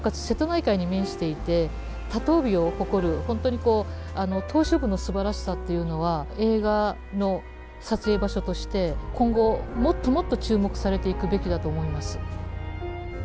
瀬戸内海に面していて多島美を誇る本当に島しょ部のすばらしさっていうのは映画の撮影場所として今後もっともっと注目されていくべきだと思います。